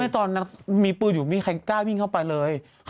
ตอนนั้นมีปืนอยู่ไม่มีใครกล้าวิ่งเข้าไปเลย